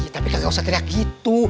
tapi nggak usah teriak gitu